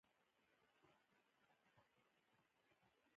افغانستان تر هغو نه ابادیږي، ترڅو هر ولایت ته پاملرنه ونشي.